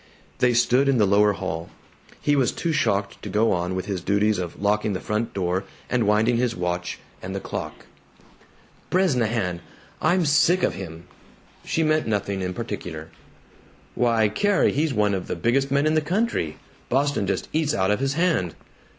They stood in the lower hall. He was too shocked to go on with his duties of locking the front door and winding his watch and the clock. "Bresnahan! I'm sick of him!" She meant nothing in particular. "Why, Carrie, he's one of the biggest men in the country! Boston just eats out of his hand!"